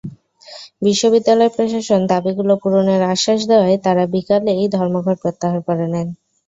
বিশ্ববিদ্যালয় প্রশাসন দাবিগুলো পূরণের আশ্বাস দেওয়ায় তাঁরা বিকেলেই ধর্মঘট প্রত্যাহার করে নেন।